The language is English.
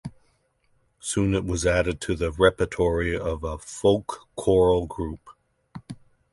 Soon it was added to the repertory of a folk choral group.